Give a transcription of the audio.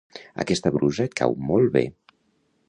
Aquesta brusa et cau molt bé.